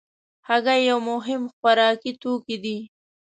هګۍ یو مهم خوراکي توکی دی.